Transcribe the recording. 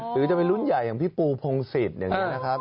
หรือจะเป็นรุ่นใหญ่อย่างพี่ปูพงศิษย์อย่างนี้นะครับ